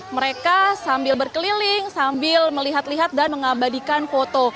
mereka sambil berkeliling sambil melihat lihat dan mengabadikan foto